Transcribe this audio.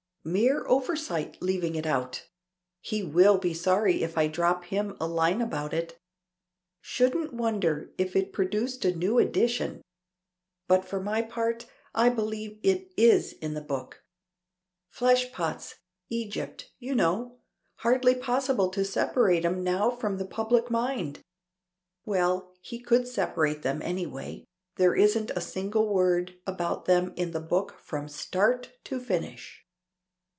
Mere oversight leaving it out. He will be sorry if I drop him a line about it. Shouldn't wonder if it produced a new edition. But for my part, I believe it is in the book. Fleshpots, Egypt, you know; hardly possible to separate 'em now from the public mind." "Well; he could separate them any way. There isn't a single word about them in the book from start to finish."